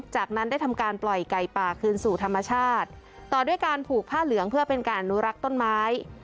จากนั้นได้ทำการปล่อยไก่ป่าคืนสู่ธรรมชาติต่อด้วยการผูกผ้าเหลืองเพื่อเป็นการอนุรักษ์ต้นไม้